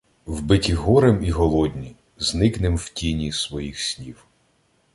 Вбиті горем і голодні, Зникнем в тіні своїх снів.